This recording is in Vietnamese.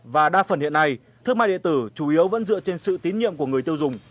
và đa phần hiện nay thương mại điện tử chủ yếu vẫn dựa trên sự tín nhiệm của người tiêu dùng